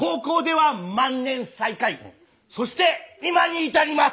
そして今に至ります」。